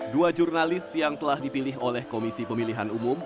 dua jurnalis yang telah dipilih oleh komisi pemilihan umum